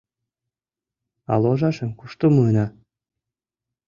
— А ложашым кушто муына?